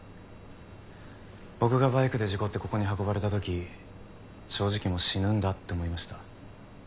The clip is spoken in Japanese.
僕がバイクで事故ってここに運ばれた時正直もう死ぬんだって思いました。